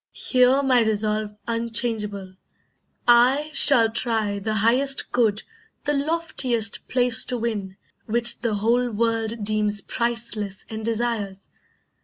Hear My resolve unchangeable. I shall try The highest good, the loftiest place to win, Which the whole world deems priceless and desires.